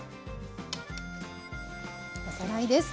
おさらいです。